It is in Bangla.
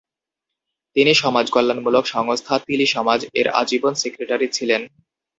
তিনি সমাজকল্যাণমূলক সংস্থা তিলি সমাজ-এর আজীবন সেক্রেটারি ছিলেন।